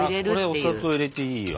これお砂糖入れていいわ。